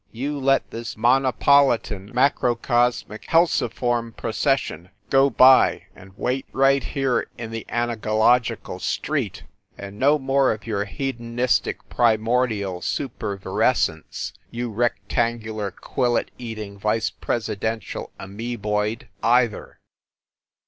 You let this monopolitan ma crocosmic held form procession go by and wait right 200 FIND THE WOMAN here in the anagological street. And no more of your hedonistic primordial supervirescence, you rec tangular quillet eating, vice presidential amoeboid, either!"